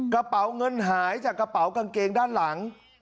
กระเป๋าเงินหายจากกระเป๋ากางเกงด้านหลัง